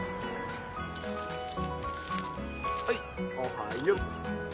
はいおはよ。